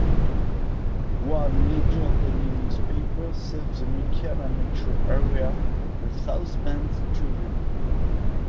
One major daily newspaper serves the Michiana Metro area, the "South Bend Tribune".